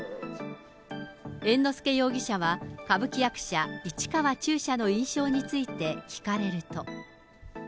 猿之助容疑者は、歌舞伎役者、市川中車の印象について聞かれると。